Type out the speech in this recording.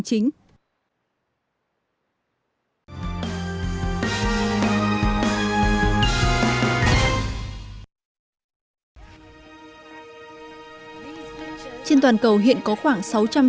trên toàn cầu hiện có khoảng